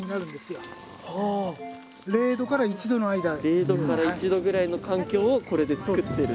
０℃１℃ぐらいの環境をこれで作ってる。